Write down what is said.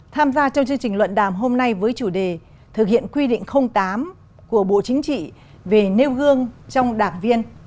tham gia trong chương trình luận đàm hôm nay với chủ đề thực hiện quy định tám của bộ chính trị về nêu gương trong đảng viên